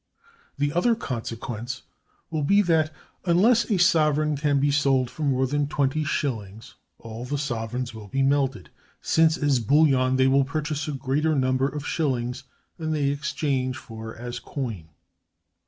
The other consequence will be that, unless a sovereign can be sold for more than twenty shillings, all the sovereigns will be melted, since as bullion they will purchase a greater number of shillings than they exchange for as coin.